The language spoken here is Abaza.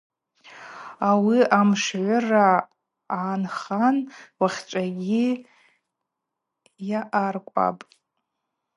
Ауи амшгӏвыра гӏанхан уахьчӏвагьи йаъаркӏвапӏ.